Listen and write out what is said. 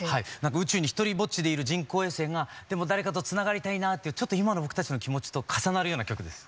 宇宙に独りぼっちでいる人工衛星が「でも誰かとつながりたいなぁ」っていうちょっと今の僕たちと重なるような曲です。